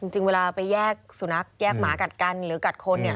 จริงเวลาไปแยกสุนัขแยกหมากัดกันหรือกัดคนเนี่ย